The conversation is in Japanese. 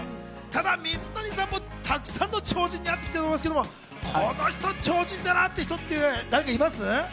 水谷さんもたくさんの超人に会ってきたと思いますが、この人、超人だなって人いますか？